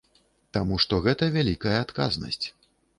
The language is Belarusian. Таму што гэта вялікая адказнасць.